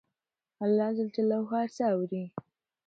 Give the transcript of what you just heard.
الله ج هر څه اوري